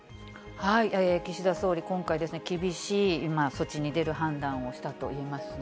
岸田総理、今回、厳しい措置に出る判断をしたといえますね。